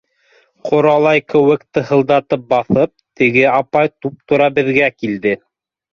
Ҡоралай кеүек тыһылдата баҫып, теге апай туп-тура беҙгә килде.